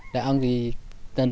đại ông thì